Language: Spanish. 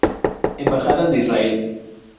Embajadas de Israel